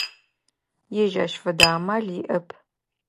Ежь ащ фэдэ амал иӏэп.